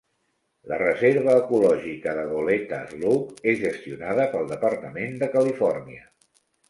La Reserva Ecològica de Goleta Slough és gestionada pel departament de Califòrnia.